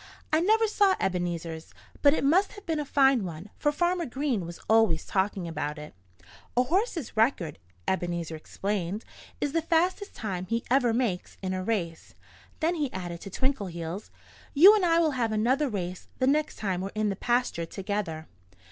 "I never saw Ebenezer's. But it must have been a fine one, for Farmer Green was always talking about it." "A horse's record," Ebenezer explained, "is the fastest time he ever makes in a race." Then he added, to Twinkleheels: "You and I will have another race the next time we're in the pasture together."